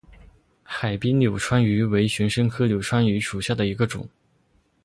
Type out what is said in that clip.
海滨柳穿鱼为玄参科柳穿鱼属下的一个种。